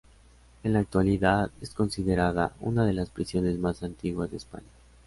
En la actualidad es considerada una de las prisiones más antiguas de España.